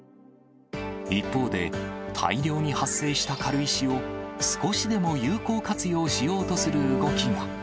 一方で、大量に発生した軽石を、少しでも有効活用しようとする動きが。